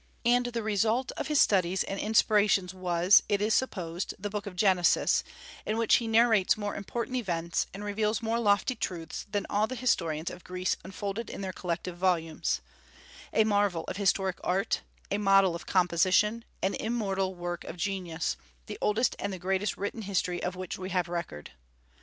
And the result of his studies and inspirations was, it is supposed, the book of Genesis, in which he narrates more important events, and reveals more lofty truths than all the historians of Greece unfolded in their collective volumes, a marvel of historic art, a model of composition, an immortal work of genius, the oldest and the greatest written history of which we have record.